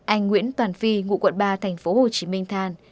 anh nguyễn toàn phi ngụ quận ba thành phố hồ chí minh than